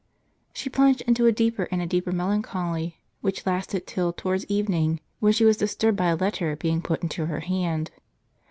She plunged into a deeper and a deeper melancholy, which lasted till towards evening, when she was disturbed by a letter being put into her hand.